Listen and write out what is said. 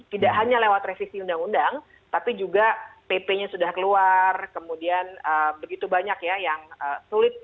tidak hanya lewat revisi undang undang tapi juga pp nya sudah keluar kemudian begitu banyak ya yang sulit